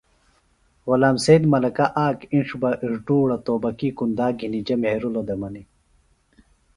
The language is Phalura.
غلام سید ملکہ آک اِنڇ بہ اڙدوڑہ توبکی کُنداک گِھنی جے مھیرِلوۡ دےۡ منیۡ